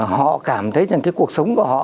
họ cảm thấy rằng cuộc sống của họ